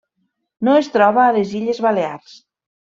No es troba a les Illes Balears.